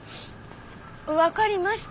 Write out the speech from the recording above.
分かりました。